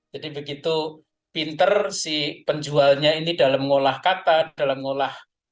jadi begitu pinter si penjualnya ini dalam mengolah kata dalam mengolah experience